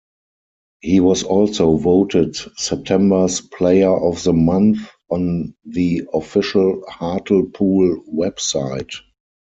He was also voted September's Player of the Month on the official Hartlepool website.